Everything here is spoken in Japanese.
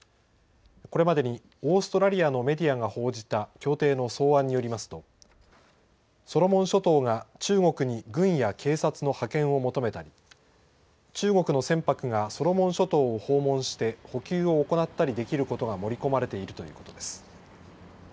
これまでにオーストラリアのメディアが報じた協定の草案によりますとソロモン諸島が中国に軍や警察の派遣を求めたり、中国の船舶がソロモン諸島を訪問して補給を行ったりできることが盛り込まれているということです。